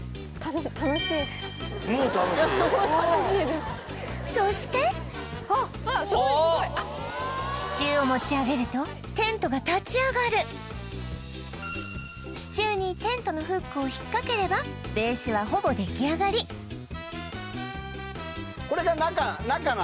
もう楽しいですそして支柱を持ちあげるとテントが立ちあがる支柱にテントのフックを引っかければベースはほぼできあがり中？